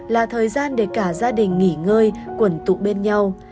là thời gian để cả gia đình nghỉ ngơi quẩn tụ bên nhau